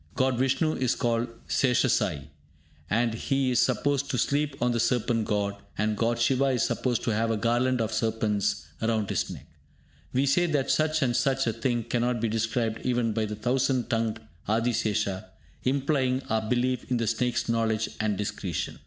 God Vishnu is called Seshasayee, as he is supposed to sleep on the Serpent God; and God Siva is supposed to have a garland of serpents round his neck! We say that such and such a thing cannot be described even by the thousand tongued Adisesha, implying our belief in the snake's knowledge and discretion.